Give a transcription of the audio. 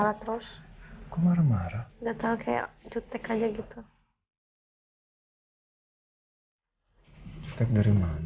dari kemaren kamu ngomong pake kuda kuda terus saya bingung